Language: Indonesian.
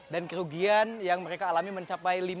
kerugian yang mereka alami mencapai